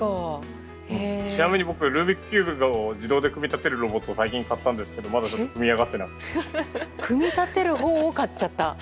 ちなみに僕ルービックキューブを自動で組み立てるロボットを最近、買ったんですけど組み立てるほうを買っちゃった。